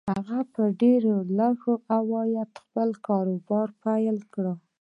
هغه په ډېر لږ عايد خپل کاروبار پيل کړ.